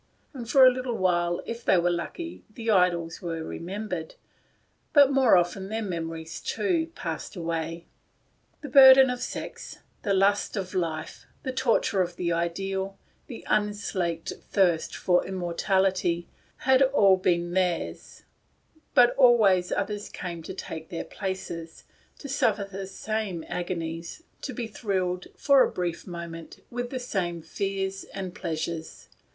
And for a little while, if they were lucky, the idols were remembered, but more often their memories passed away. The burden of sex, the lust of life, the tor ture of the ideal, the unslaked thirst for im mortality, had all been theirs; but always others came to take their places, to suffer the same agonies, to be thrilled, for a brief mo ment, with the same fears and pleasures.